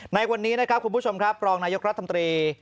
ในวันนี้นะครับคุณผู้ชมครับรองนายกรัฐมนตรี